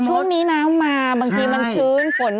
ช่วงนี้น้ำมาเมื่อกี้มันชื้นฝ๋น